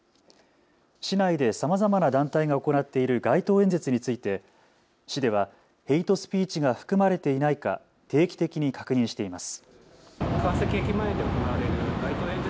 市内でさまざまな団体が行っている街頭演説について市ではヘイトスピーチが含まれていないか定期的に確認しています。